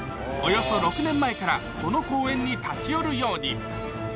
およそ６年前からこの公園に立ち寄るように。